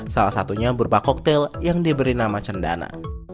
salah satunya berupa koktel yang diberi nama cendana